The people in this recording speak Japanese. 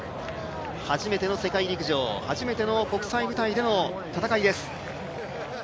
初めての世界陸上初めての国際舞台での戦いです。